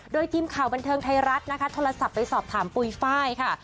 โดยทีมข่าวบันเทิงไทยรัฐนะคะโทรศัพท์ไปสอบถามปุ๋ยไฟล์ค่ะ